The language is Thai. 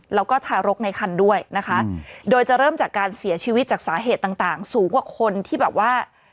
แล้วก็ทารกในคันด้วยนะคะโดยจะเริ่มจากการเสียชีวิตจากสาเหตุต่างต่างสูงกว่าคนที่แบบว่า